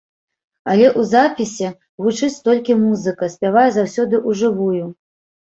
Але ў запісе гучыць толькі музыка, спявае заўсёды ў жывую.